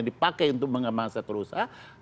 dipakai untuk mengembangkan sektor usaha